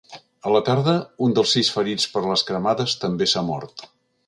A la tarda, un dels sis ferits per les cremades també s’ha mort.